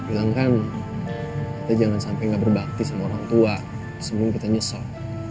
bilangkan kita jangan sampe gak berbakti sama orang tua sebelum kita nyesel